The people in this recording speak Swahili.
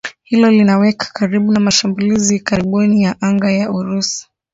Hilo linawaweka karibu na mashambulizi ya karibuni ya anga ya Urusi